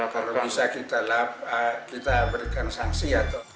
kalau bisa kita berikan sanksi atau